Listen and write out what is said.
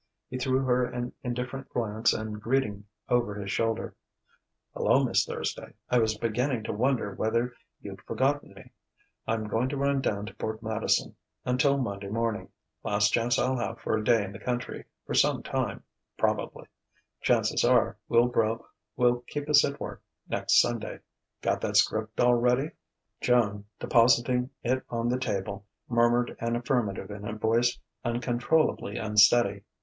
He threw her an indifferent glance and greeting over his shoulder. "Hello, Miss Thursday! I was beginning to wonder whether you'd forgotten me. I'm going to run down to Port Madison until Monday morning last chance I'll have for a day in the country for some time, probably. Chances are, Wilbrow will keep us at work next Sunday. Got that 'script all ready?" Joan, depositing it on the table, murmured an affirmative in a voice uncontrollably unsteady.